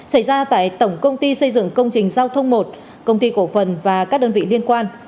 xảy ra tại tổng công ty xây dựng công trình giao thông một công ty cổ phần và các đơn vị liên quan